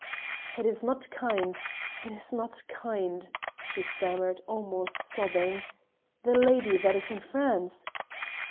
"It is not kind it is not kind," she stammered, almost sobbing. "The lady that is in France."